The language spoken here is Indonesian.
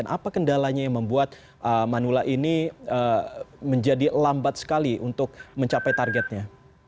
apa kendalanya yang membuat manula ini menjadi lambat sekali untuk mencapai targetnya